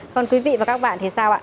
còn quý vị và các bạn thì sao ạ